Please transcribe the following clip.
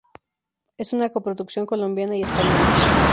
Es una coproducción colombiana y española.